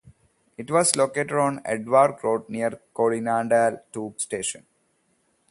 It was located on Edgware Road, near Colindale tube station.